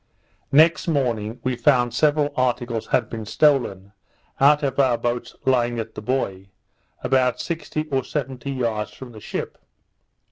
Next morning, we found several articles had been stolen, out of our boats lying at the buoy, about sixty or seventy yards from the ship.